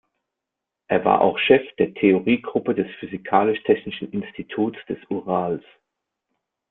Er war auch Chef der Theorie-Gruppe des Physikalisch-Technischen Instituts des Urals.